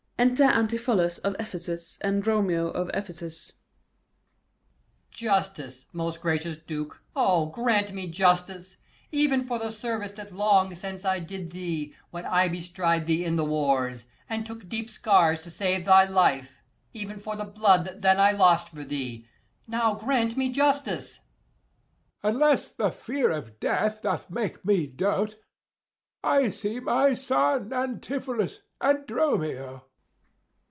Enter ANTIPHOLUS of Ephesus and DROMIO of Ephesus. Ant. E. Justice, most gracious Duke, O, grant me justice! 190 Even for the service that long since I did thee, When I bestrid thee in the wars, and took Deep scars to save thy life; even for the blood That then I lost for thee, now grant me justice. Æge. Unless the fear of death doth make me dote, 195 I see my son Antipholus, and Dromio. _Ant. E.